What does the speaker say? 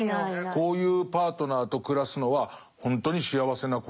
こういうパートナーと暮らすのはほんとに幸せなことだと思う。